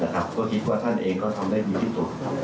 ก็คิดว่าท่านเองก็ทำได้ดีที่สุด